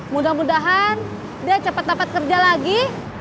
mudah mudahan dia cepat dapat kerja lagi